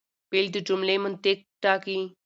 فعل د جملې منطق ټاکي.